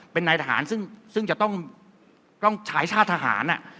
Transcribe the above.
เป็นนายทหารซึ่งจะต้องใช้ชาติทหาร